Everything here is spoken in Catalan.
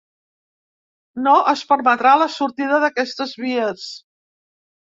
No es permetrà la sortida d’aquestes vies.